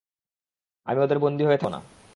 আমি ওদের বন্দী হয়ে থাকবো না।